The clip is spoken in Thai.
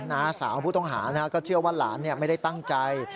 น้าสาวผู้ต้องหาก็เชื่อว่าหลานไม่ได้ตั้งใจ